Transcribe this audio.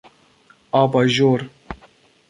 آباژور